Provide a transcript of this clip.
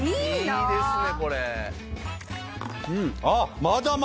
いいですね。